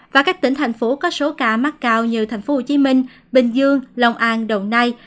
và các tỉnh thành phố có số ca mắc cao như thành phố hồ chí minh bình dương lòng an đồng nai